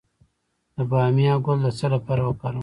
د بامیې ګل د څه لپاره وکاروم؟